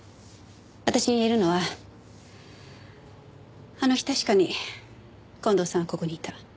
私に言えるのはあの日確かに近藤さんはここにいた。